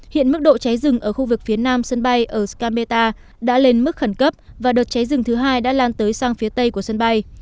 hiện mức độ cháy rừng ở khu vực phía nam sân bay ở canberra đã lên mức khẩn cấp và đợt cháy rừng thứ hai đã lan tới sang phía tây của sân bay